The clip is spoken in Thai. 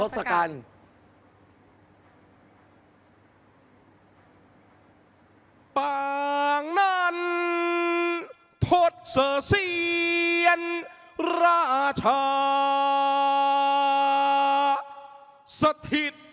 ทศกัณฐ์